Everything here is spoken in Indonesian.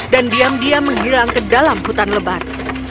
dan diam diam menghilang ke dalam hutan lebat